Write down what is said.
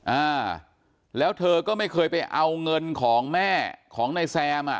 อ่าแล้วเธอก็ไม่เคยไปเอาเงินของแม่ของนายแซมอ่ะ